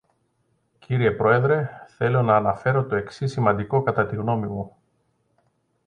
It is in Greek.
Κύριε Πρόεδρε, θέλω να αναφέρω το εξής σημαντικό κατά τη γνώμη μου.